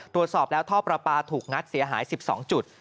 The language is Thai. ตรวจสอบแล้วท่อประปาถูกงัดเสียหาย๑๒จุด